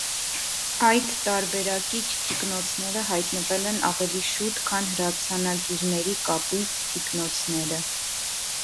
Այդ տարբերակիչ թիկնոցները հայտնվել են ավելի շուտ քան հրացանակիրների կապույտ թիկնոցները։